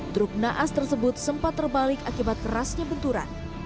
truk naas tersebut sempat terbalik akibat kerasnya benturan